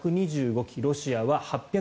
１２５機ロシアは８６４機